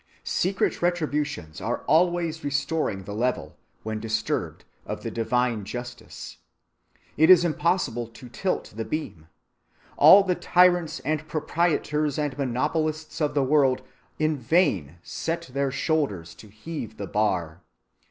Secret retributions are always restoring the level, when disturbed, of the divine justice. It is impossible to tilt the beam. All the tyrants and proprietors and monopolists of the world in vain set their shoulders to heave the bar.